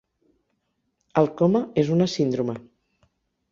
El coma és una síndrome.